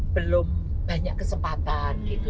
belum banyak kesempatan gitu